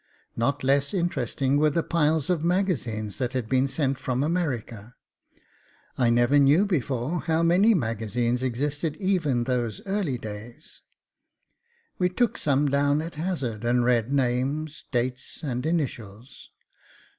Not less interesting were the piles of Magazines that had been sent from America. I never knew before how many Magazines existed even those early days; we took some down at hazard and read names, dates, and initials.